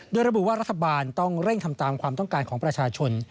โดยระบุว่ารัฐบาลต้องเร่งทำตามความต้องการของประชาชน